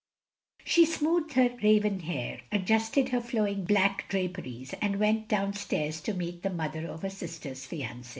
" She smoothed her raven hair, adjusted her flowing black draperies, and went down stairs to meet the mother of her sister's fianc6.